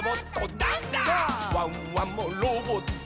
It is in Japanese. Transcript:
「ワンワンもロボット」